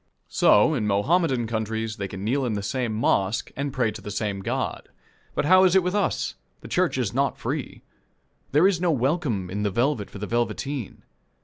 So in Mohammedan countries they can kneel in the same mosque, and pray to the same God. But how is it with us? The church is not free. There is no welcome in the velvet for the velveteen.